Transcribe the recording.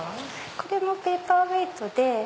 これもペーパーウエートで。